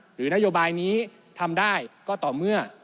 หรือนโยบายนี้ทำได้ก็ต่อเมื่อ